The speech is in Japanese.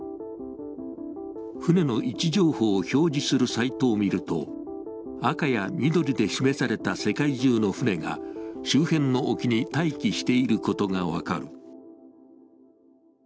船の位置情報を表示するサイトを見ると、赤や緑で示された世界中の船が周辺の沖に待機していることが分かる。